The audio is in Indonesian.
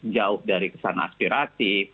jauh dari kesan aspiratif